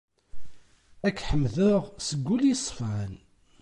Ad k-ḥemdeɣ seg wul yeṣfan.